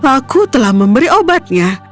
aku telah memberi obatnya